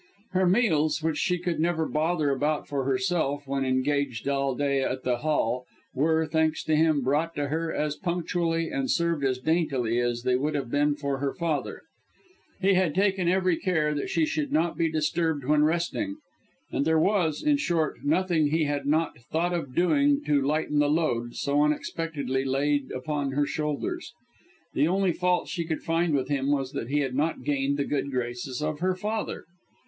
Her meals which she could never bother about for herself, when engaged all day at the hall were, thanks to him, brought to her as punctually, and served as daintily, as they would have been for her father; he had taken every care that she should not be disturbed when resting; and there was, in short, nothing he had not thought of doing to lighten the load, so unexpectedly laid upon her shoulders. The only fault she could find with him, was that he had not gained the good graces of her father.